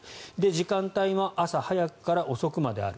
時間帯も朝早くから遅くまである。